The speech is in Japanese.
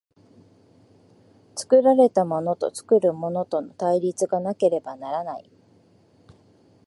作られたものと作るものとの対立がなければならない。